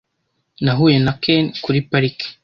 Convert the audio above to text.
Nahuye na Ken kuri parike.